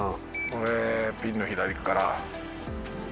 これピンの左から。